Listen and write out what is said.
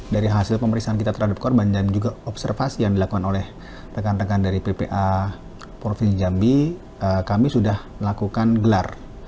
dari hasil pemeriksaan kita terhadap korban dan juga observasi yang dilakukan oleh rekan rekan dari ppa provinsi jambi kami sudah melakukan gelar